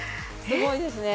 すごいですね